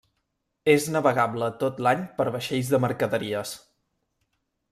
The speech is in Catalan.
És navegable tot l'any per vaixells de mercaderies.